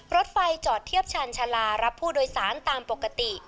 รถไฟจอดเทียบชาญชาลารับผู้โดยสารตามปกติ